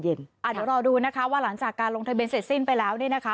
เดี๋ยวรอดูนะคะว่าหลังจากการลงทะเบียนเสร็จสิ้นไปแล้วเนี่ยนะคะ